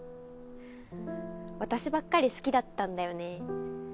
私ばっかり好きだったんだよね。